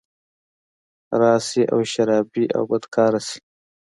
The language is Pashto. راشي او شرابي او بدکرداره شي